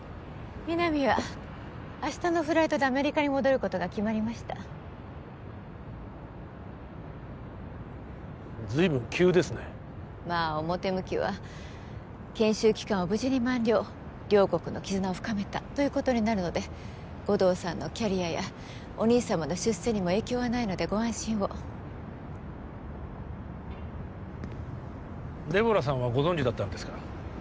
皆実は明日のフライトでアメリカに戻ることが決まりましたずいぶん急ですねまあ表向きは研修期間を無事に満了両国の絆を深めたということになるので護道さんのキャリアやお兄様の出世にも影響はないのでご安心をデボラさんはご存じだったんですか？